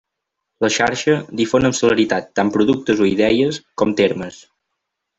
La xarxa difon amb celeritat tant productes o idees, com termes.